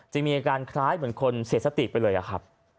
มีอาการคล้ายเหมือนคนเสียสติไปเลยอะครับ